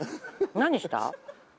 何した？